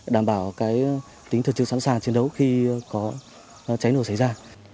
đảm bảo cái tính thực trực sẵn sàng chiến đấu khi có cháy nổ xảy ra